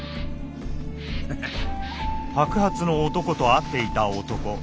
ハハハ。